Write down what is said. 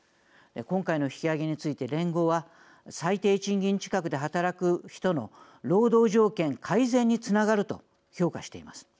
今回の引き上げについて連合は最低賃金近くで働く人の労働条件改善につながると評価しています。